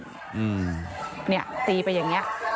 อืมเนี่ยตีไปอย่างนี้